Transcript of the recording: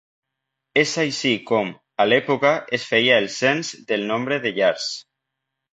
És així com, a l'època, es feia el cens del nombre de llars.